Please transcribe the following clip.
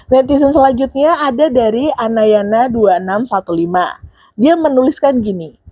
netizen selanjutnya ada dari anayana dua ribu enam ratus lima belas dia menuliskan gini